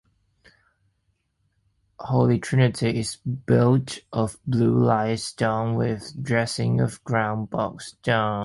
Holy Trinity is built of Blue Lias stone with dressings of ground Box stone.